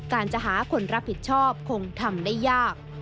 การจะหาคนรับผิดชอบคงทำได้ยาก